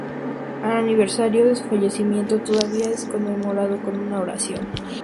El aniversario de su fallecimiento todavía es conmemorado con una oración.